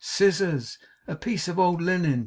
Scissors! A piece of old linen!